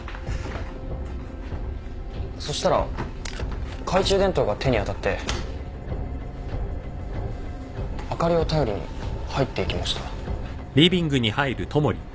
そしたら懐中電灯が手に当たって灯りを頼りに入っていきました。